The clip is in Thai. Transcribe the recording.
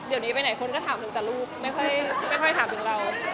รู้ว่ามีโอกาสเจอกันกันกว่านั้นทีหรอ